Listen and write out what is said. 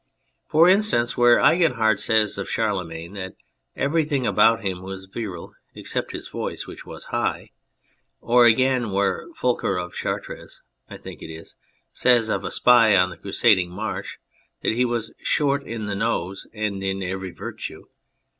For instance, where Eginhard says of Charlemagne that everything about him was virile "except his voice, which was high," or again, where Fulcher of Chartres (I think it is) says of a spy on the crusading march that he was " short in the nose and in every virtue."